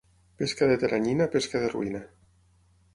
Pesca de teranyina, pesca de ruïna.